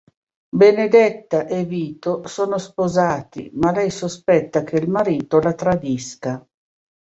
Benedetta e Vito sono sposati ma lei sospetta che il marito la tradisca.